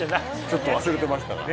ちょっと忘れてましたが。